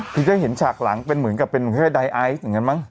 คือจะเห็นชากหลังเหมือนกับให้ดายไอ๊อีซหรือยังงั้นไหม